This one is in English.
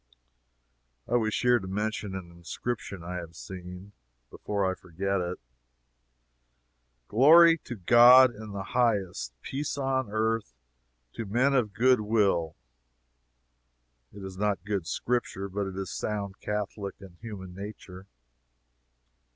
I wish here to mention an inscription I have seen, before I forget it: "Glory to God in the highest, peace on earth TO MEN OF GOOD WILL!" It is not good scripture, but it is sound Catholic and human nature.